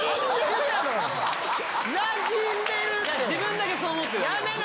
自分だけそう思ってる。